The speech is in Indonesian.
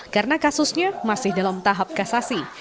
karena kasusnya masih dalam tahap kasasi